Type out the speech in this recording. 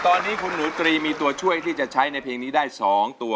ตอนนี้คุณหนูตรีมีตัวช่วยที่จะใช้ในเพลงนี้ได้๒ตัว